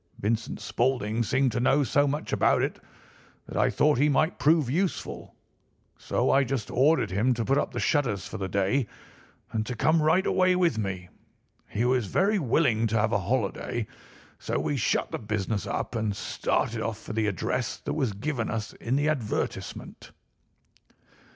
Vincent Spaulding seemed to know so much about it that I thought he might prove useful, so I just ordered him to put up the shutters for the day and to come right away with me. He was very willing to have a holiday, so we shut the business up and started off for the address that was given us in the advertisement.